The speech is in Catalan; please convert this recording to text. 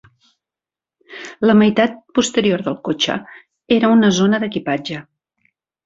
La meitat posterior del cotxe era una zona d'equipatge.